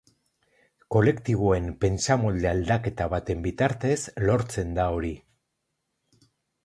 Kolektiboen pentsamolde aldaketa baten bitartez lortzen da hori.